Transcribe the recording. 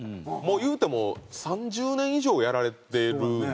いうても３０年以上やられてるんですよ。